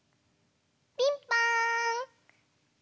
ピンポーン！